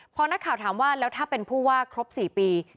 พอนักข่าวถามว่าแล้วถ้าเป็นผู้ว่าครบ๔ปี